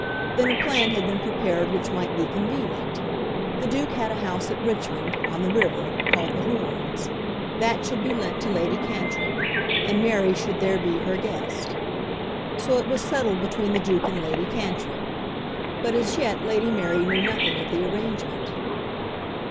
Then a plan had been prepared which might be convenient. The Duke had a house at Richmond, on the river, called The Horns. That should be lent to Lady Cantrip, and Mary should there be her guest. So it was settled between the Duke and Lady Cantrip. But as yet Lady Mary knew nothing of the arrangement.